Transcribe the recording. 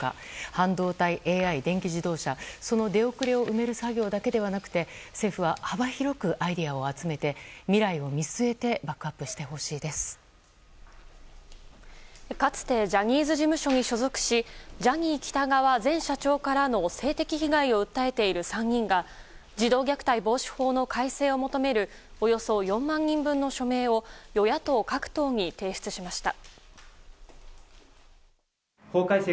半導体、ＡＩ、電気自動車その出遅れを埋める作業だけではなくて政府は幅広くアイデアを集めて未来を見据えてかつてジャニーズ事務所に所属しジャニー喜多川前社長からの性的被害を訴えている３人が児童虐待防止法の改正を求めるおよそ４万人分の署名を与野党各党に提出しました。